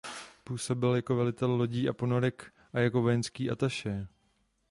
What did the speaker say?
Působil jako velitel lodí a ponorek a jako vojenský atašé.